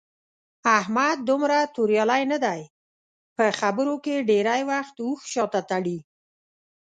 احمد دومره توریالی نه دی. په خبرو کې ډېری وخت اوښ شاته تړي.